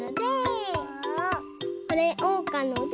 これおうかので。